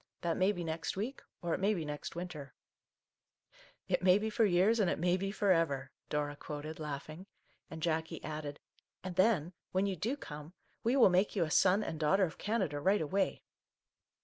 That may be next week, — or it may be next winter !" "It may be for years and it may be for ever/' Dora quoted, laughing, and Jackie added, cc and then — when you do come — we will make you a Son and Daughter of Canada right away